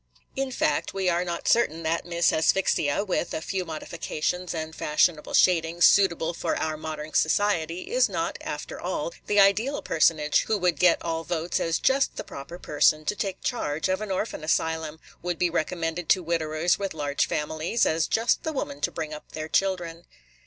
In fact, we are not certain that Miss Asphyxia, with a few modifications and fashionable shadings suitable for our modern society, is not, after all, the ideal personage who would get all votes as just the proper person to take charge of an orphan asylum, – would be recommended to widowers with large families as just the woman to bring up their children.